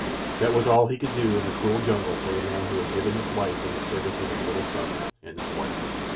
That was all he could do in the cruel jungle for the man who had given his life in the service of his little son and his wife.